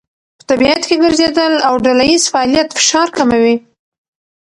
په طبیعت کې ګرځېدل او ډلهییز فعالیت فشار کموي.